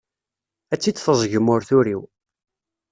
Ad tt-id-teẓẓgem ur turiw.